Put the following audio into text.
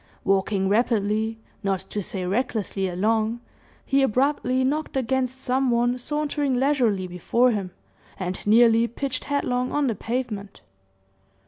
Walking rapidly, not to say recklessly, along, he abruptly knocked against some one sauntering leisurely before him, and nearly pitched headlong on the pavement.